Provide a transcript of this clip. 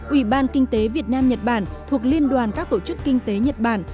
ủy ban kinh tế việt nam nhật bản thuộc liên đoàn các tổ chức kinh tế nhật bản